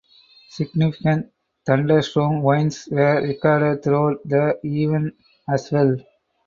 Significant thunderstorm winds were recorded throughout the event as well.